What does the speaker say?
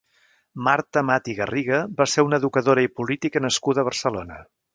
Marta Mata i Garriga va ser una educadora i política nascuda a Barcelona.